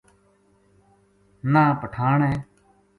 نہ پٹھان ہے